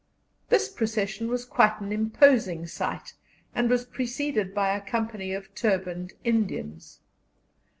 This procession was quite an imposing sight, and was preceded by a company of turbaned Indians.